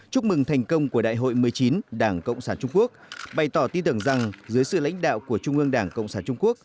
chúc mừng thành công của đại hội một mươi chín đảng cộng sản trung quốc bày tỏ tin tưởng rằng dưới sự lãnh đạo của trung ương đảng cộng sản trung quốc